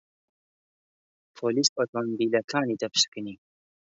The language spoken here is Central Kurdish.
پۆلیس ئۆتۆمۆبیلەکانی دەپشکنی.